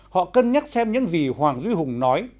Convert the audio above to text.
họ cân nhắc xem những gì hoàng duy hùng nói